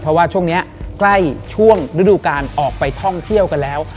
เพราะว่าช่วงนี้ใกล้ช่วงฤดูการออกไปท่องเที่ยวกันแล้ว